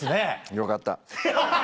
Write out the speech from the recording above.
よかった。